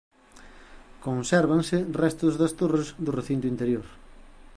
Consérvanse restos das torres do recinto interior.